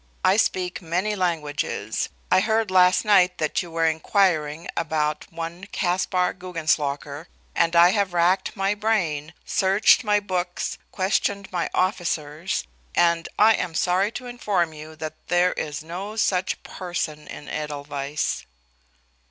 I speak many languages. I heard last night that you were inquiring about one Caspar Guggenslocker, and I have racked my brain, searched my books, questioned my officers, and I am sorry to inform you that there is no such person in Edelweiss."